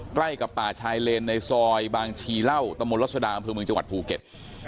ใกล้กับป่าชายเลนในซอยบางชีเหล้าตะมนรัศดาอำเภอเมืองจังหวัดภูเก็ต